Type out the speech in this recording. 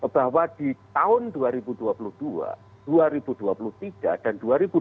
bahwa di tahun dua ribu dua puluh dua dua ribu dua puluh tiga dan dua ribu dua puluh